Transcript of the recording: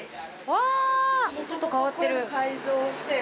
わぁちょっと変わってる。